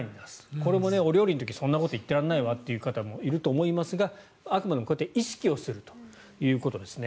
これもお料理の時そんなこと言ってられないわという方いるかもしれませんがあくまでも、こうやって意識をするということですね。